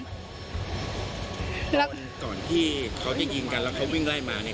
ตอนจะวิ่งกันก่อนพวกเราก็วิ่งไล่มา